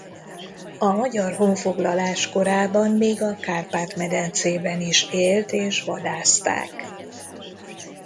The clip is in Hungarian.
A magyar honfoglalás korában még a Kárpát-medencében is élt és vadászták.